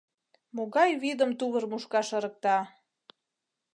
Могай вӱдым тувыр мушкаш ырыкта!